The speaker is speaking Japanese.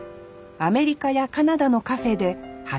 アメリカやカナダのカフェで８年間